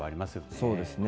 そうですね。